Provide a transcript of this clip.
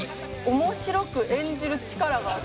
面白く演じる力がある。